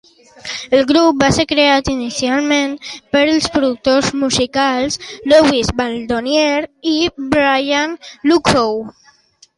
El grup va ser creat inicialment pels productors musicals Louis Baldonieri i Brian Lukow.